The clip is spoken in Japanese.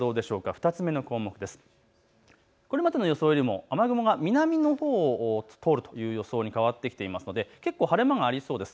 ２つ目の項目、これまでの予想よりも雨雲が南のほうを通るという予想に変わってきていますので結構晴れ間がありそうです。